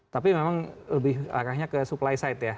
tapi memang lebih arahnya ke supply side ya